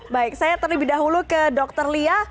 baik saya terlebih dahulu ke dr lia